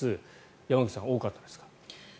山口さん、多かったですか？